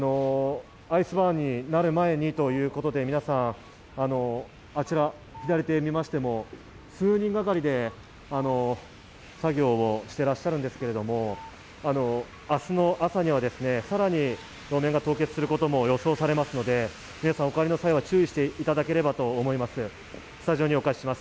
アイスバーンになる前にということで、皆さん、あちら、左手を見ましても数人がかりで作業をしてらっしゃるんですけど、明日の朝には更に路面が凍結することも予想されますので、皆さん、お帰りの際は注意していただければと思います。